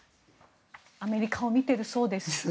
アメリカを見ているそうです。